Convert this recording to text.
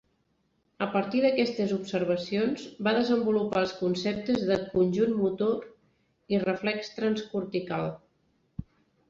A partir d'aquestes observacions, va desenvolupar els conceptes de "conjunt motor" i "reflex transcortical".